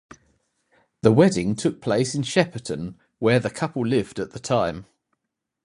The wedding took place in Shepperton, where the couple lived at the time.